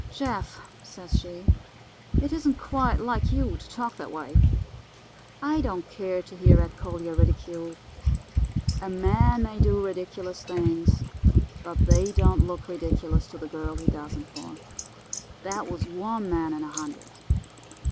"'Jeff,' says she, 'it isn't quite like you to talk that way. I don't care to hear Ed Collier ridiculed. A man may do ridiculous things, but they don't look ridiculous to the girl he does 'em for. That was one man in a hundred.